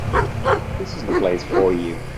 This is no place for you.